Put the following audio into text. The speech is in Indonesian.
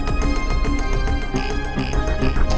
ngapain lu kesini